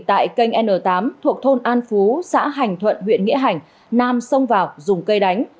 tại kênh n tám thuộc thôn an phú xã hành thuận huyện nghĩa hành nam xông vào dùng cây đánh